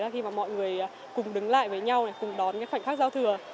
là khi mà mọi người cùng đứng lại với nhau cùng đón cái khoảnh khắc giao thừa